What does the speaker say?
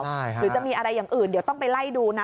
หรือจะมีอะไรอย่างอื่นเดี๋ยวต้องไปไล่ดูนะ